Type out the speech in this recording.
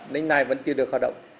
đến nay vẫn chưa được hoạt động